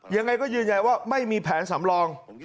ยังไงก็ยืนยันว่าไม่มีแผนสำรอง